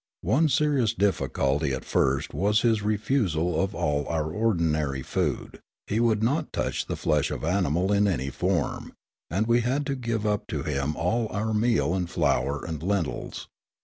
One serious difiiculty at first was his refusal of all our ordinary food ; he would not touch the flesh of animal in any form, and we had to give up to him all our meal and flour and lentils.